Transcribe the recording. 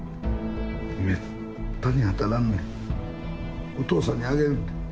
めったに当たらんのにお父さんにあげるって。